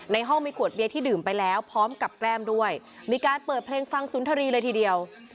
ห้องมีขวดเบียร์ที่ดื่มไปแล้วพร้อมกับแก้มด้วยมีการเปิดเพลงฟังสุนทรีย์เลยทีเดียว